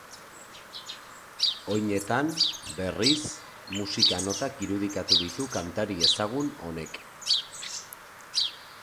Oinetan, berriz, musika notak irudikatu ditu kantari ezagun honek.